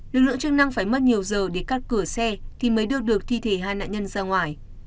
lực lượng chức năng phải mất nhiều giờ để cắt cửa xe thì mới đưa được thi thể hai nạn nhân ra ngoài